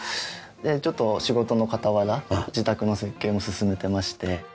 でちょっと仕事の傍ら自宅の設計も進めてまして。